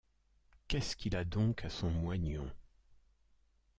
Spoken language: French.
Qu’est-ce qu’il a donc à son moignon?